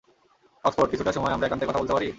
Oxford, কিছুটা সময় আমরা একান্তে কথা বলতে পারি?